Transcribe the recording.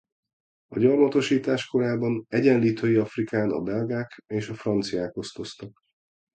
A gyarmatosítás korában Egyenlítői Afrikán a belgák és a franciák osztoztak.